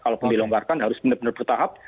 kalau pun dilonggarkan harus benar benar bertahap